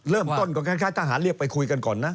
เริ่มต้นก็คล้ายทหารเรียกไปคุยกันก่อนนะ